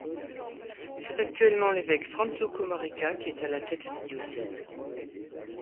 C'est actuellement l'évêque Franjo Komarica qui est à la tête du diocèse.